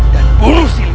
dan bunuh si luar